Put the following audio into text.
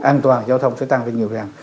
an toàn giao thông sẽ tăng cấp nhiều lần